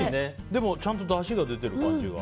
ちゃんとだしが出てる感じが。